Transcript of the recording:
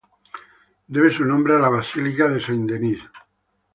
Debe su nombre a la Basílica de Saint-Denis.